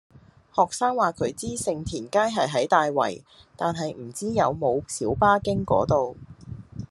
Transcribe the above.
學生話佢知盛田街係喺大圍，但係唔知有冇小巴經嗰度